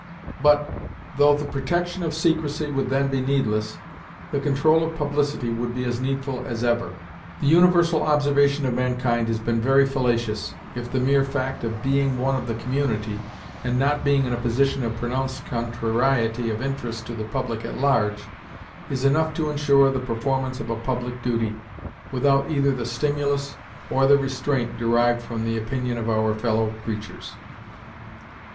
But, though the protection of secrecy would then be needless, the control of publicity would be as needful as ever. The universal observation of mankind has been very fallacious, if the mere fact of being one of the community, and not being in a position of pronounced contrariety of interest to the public at large, is enough to insure the performance of a public duty, without either the stimulus or the restraint derived from the opinion of our fellow creatures.